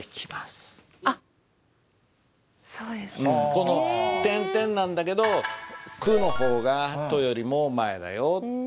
この点々なんだけど「く」の方が「と」よりも前だよっていう。